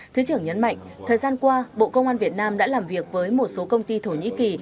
thứ trưởng nhấn mạnh thời gian qua bộ công an việt nam đã làm việc với một số công ty thổ nhĩ kỳ